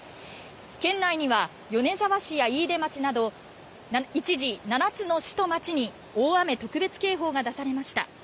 県内には米沢市や飯豊町など一時、７つの市と町に大雨特別警報が出されました。